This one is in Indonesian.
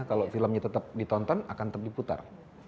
kalau filmnya tetap ditonton akan tetap diputar